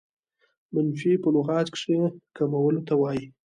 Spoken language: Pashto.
منفي په لغت کښي کمولو ته وايي.